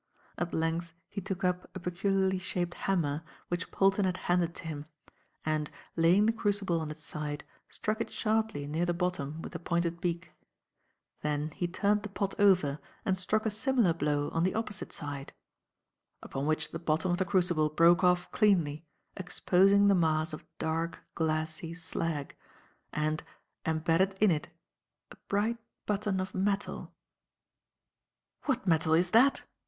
At length he took up a peculiarly shaped hammer which Polton had handed to him, and, laying the crucible on its side, struck it sharply near the bottom with the pointed beak; then he turned the pot over and struck a similar blow on the opposite side; upon which the bottom of the crucible broke off cleanly, exposing the mass of dark, glassy slag, and, embedded in it, a bright button of metal. "What metal is that?"